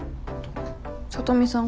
聡美さん